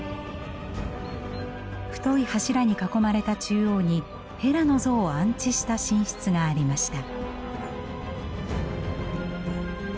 太い柱に囲まれた中央にヘラの像を安置した神室がありました。